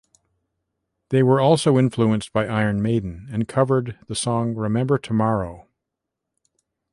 They were also influenced by Iron Maiden, and covered the song Remember Tomorrow.